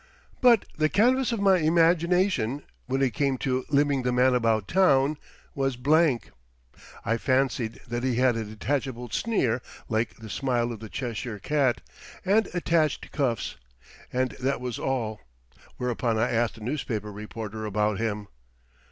But the canvas of my imagination, when it came to limning the Man About Town, was blank. I fancied that he had a detachable sneer (like the smile of the Cheshire cat) and attached cuffs; and that was all. Whereupon I asked a newspaper reporter about him.